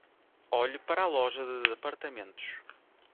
Olhe para a loja de departamentos